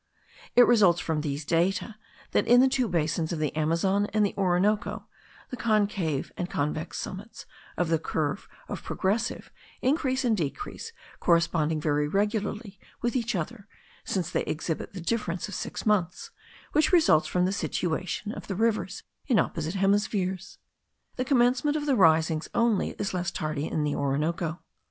It results from these data, that in the two basins of the Amazon and the Orinoco, the concave and convex summits of the curve of progressive increase and decrease correspond very regularly with each other, since they exhibit the difference of six months, which results from the situation of the rivers in opposite hemispheres. The commencement of the risings only is less tardy in the Orinoco.